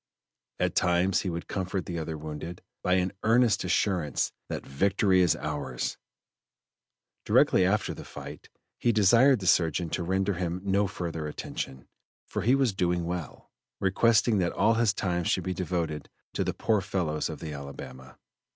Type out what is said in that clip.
At times he would comfort the other wounded by an earnest assurance that "victory is ours!" Directly after the fight he desired the surgeon to render him no further attention, for he was "doing well," requesting that all his time should be devoted to the "poor fellows of the Alabama."